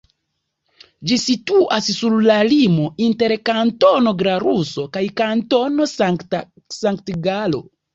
Ĝi situas sur la limo inter Kantono Glaruso kaj Kantono Sankt-Galo.